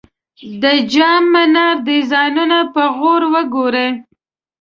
د جام منار ډیزاینونه په غور وګورئ.